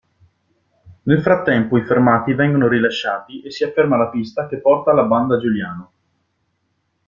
Nel frattempo, i fermati vengono rilasciati e si afferma la pista che porta alla banda Giuliano.